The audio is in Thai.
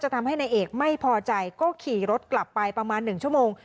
ทำให้นายเอกไม่พอใจก็ขี่รถกลับไปประมาณ๑ชั่วโมง